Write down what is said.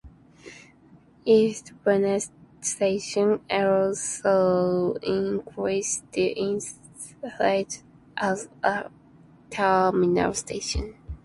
Eastbourne station also increased in size as a terminal station.